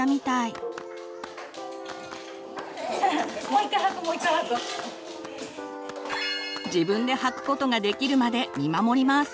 こちらの子は自分ではくことができるまで見守ります。